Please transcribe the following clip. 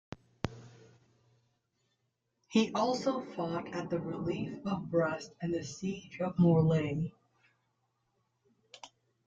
He also fought at the relief of Brest and the siege of Morlaix.